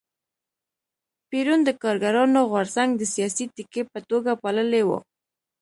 پېرون د کارګرانو غورځنګ د سیاسي تکیې په توګه پاللی و.